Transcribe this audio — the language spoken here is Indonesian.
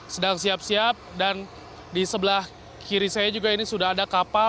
sedang siap siap dan di sebelah kiri saya juga ini sudah ada kapal